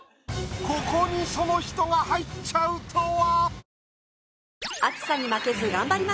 ここにその人が入っちゃうとは！